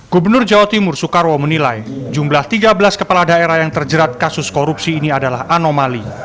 gubernur jawa timur soekarwo menilai jumlah tiga belas kepala daerah yang terjerat kasus korupsi ini adalah anomali